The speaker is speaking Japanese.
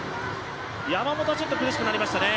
山本はちょっと苦しくなりましたね。